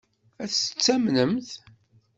Ad tt-amnent?